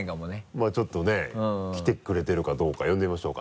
まぁちょっとね来てくれてるかどうか呼んでみましょうか。